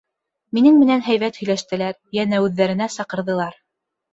— Минең менән һәйбәт һөйләштеләр, йәнә үҙҙәренә саҡырҙылар.